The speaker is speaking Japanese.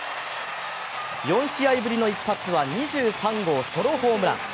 ４試合ぶりの一発は２３号ソロホームラン。